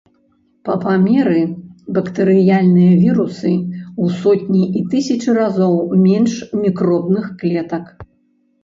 Па памеры бактэрыяльныя вірусы ў сотні і тысячы разоў менш мікробных клетак.